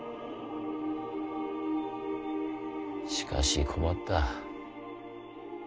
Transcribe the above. しかし困った。